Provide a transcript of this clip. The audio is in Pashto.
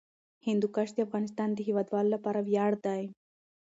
هندوکش د افغانستان د هیوادوالو لپاره ویاړ دی.